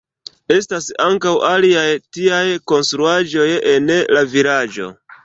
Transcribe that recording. Estas ankaŭ aliaj tiaj konstruaĵoj en la vilaĝo.